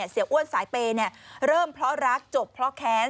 เสียอ้วนสายเปย์เริ่มเพราะรักจบเพราะแค้น